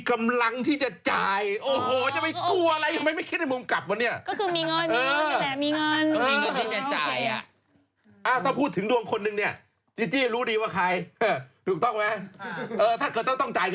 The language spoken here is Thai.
ถามหน่อยดีหรือไม่ดีผมพูดง่าย